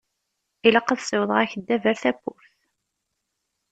Ilaq ad ssiwḍeɣ akeddab ar tewwurt.